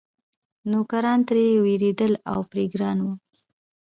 نوکران ترې وېرېدل او پرې ګران وو.